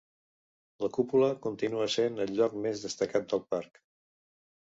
La cúpula continua sent el lloc més destacat del parc.